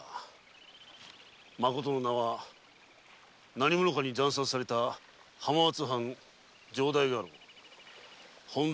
まことの名は何者かに惨殺された浜松藩城代家老・本多